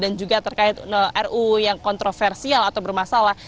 dan juga terkait ruu yang kontroversial atau bermasalah